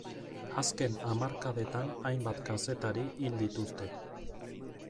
Azken hamarkadetan hainbat kazetari hil dituzte.